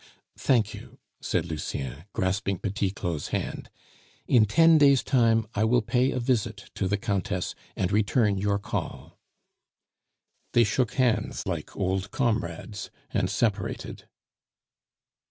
"Thank you," said Lucien, grasping Petit Claud's hand. "In ten days' time I will pay a visit to the Countess and return your call." The shook hands like old comrades, and separated.